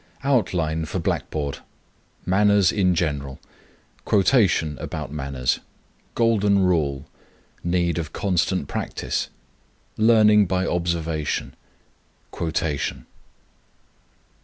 OUTLINE FOR BLACKBOARD. MANNERS IN GENERAL. Quotation about manners. Golden Rule. Need of constant practice. Learning by observation. _Quotation.